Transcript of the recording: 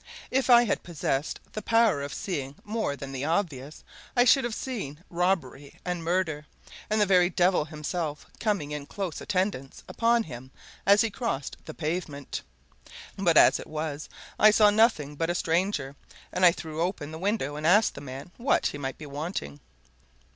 If I had possessed the power of seeing more than the obvious, I should have seen robbery, and murder, and the very devil himself coming in close attendance upon him as he crossed the pavement. But as it was, I saw nothing but a stranger, and I threw open the window and asked the man what he might be wanting.